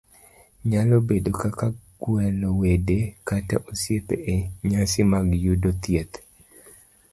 nyalo bedo kaka gwelo wede kata osiepe e nyasi mag yudo thieth,